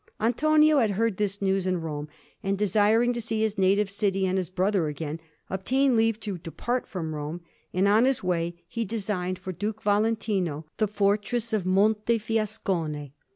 Antonio had heard this news in Rome, and, desiring to see his native city and his brother again, obtained leave to depart from Rome; and on his way he designed for Duke Valentino the fortress of Montefiascone.